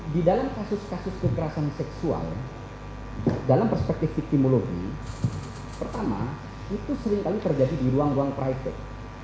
di dalam kasus kasus kekerasan seksual dalam perspektif victimologi pertama itu seringkali terjadi di ruang ruang private